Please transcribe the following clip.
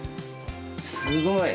すごい！